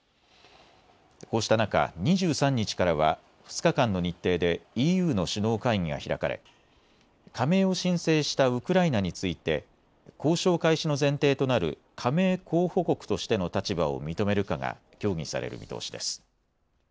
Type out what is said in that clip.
こうした中、２３日からは２日間の日程でＥＵの首脳会議が開かれ加盟を申請したウクライナについて交渉開始の前提となる加盟候補国としての立場を認めるかが協議される見通しです。